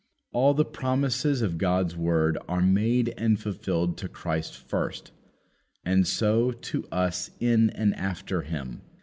All the promises of God's word are made and fulfilled to Christ first, and so to us in and after Him.